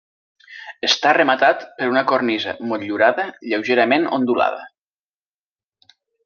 Està rematat per una cornisa motllurada lleugerament ondulada.